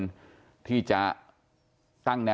สวัสดีคุณผู้ชมนุม